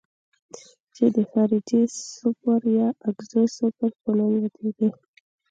چې د خارجي سپور یا اګزوسپور په نوم یادیږي.